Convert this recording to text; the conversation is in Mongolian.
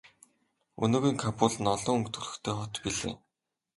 Өнөөгийн Кабул нь олон өнгө төрхтэй хот билээ.